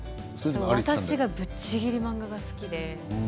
私がぶっちぎり漫画が好きで。